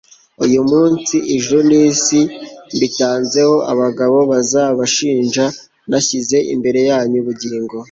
uyu munsi, ijuru n'isi mbitanzeho abagabo bazabashinja nashyize imbere yanyu ubugingo